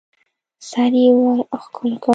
سر يې ورښکل کړ.